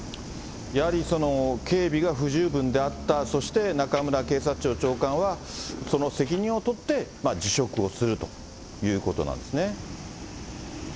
やはり、警備が不十分であった、そして中村警察庁長官は、その責任を取って辞職をするということなんですね。